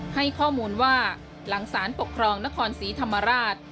ให้ข้อมูลว่าหลังสารปกครองนครศรีธรรมราช